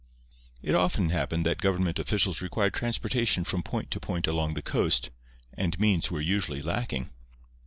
It often happened that government officers required transportation from point to point along the coast, and means were usually lacking.